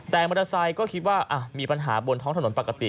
แต่มอเตอร์ไซค์ก็คิดว่ามีปัญหาบนท้องถนนปกติ